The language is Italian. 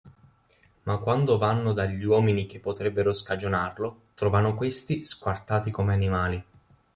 Ma quando vanno dagli uomini che potrebbero scagionarlo, trovano questi squartati come animali.